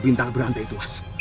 bintang berantai itu mas